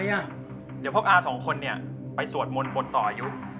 เดี๋ยวพวกอาสองคนเนี่ยไปสวดมนต์บนต่ออายุ